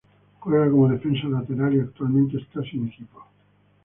Juega como defensa lateral y actualmente está sin equipo.